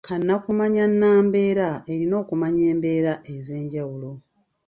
Kannakumanya nnambeera erina okumanya embeera ez'enjawulo.